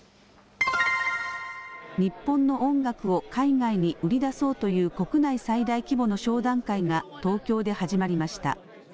日本の音楽を海外に売り出そうという国内最大規模の商談会が東京で始まりました。